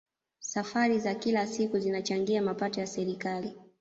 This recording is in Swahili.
safari za kila siku zinachangia mapato ya serikali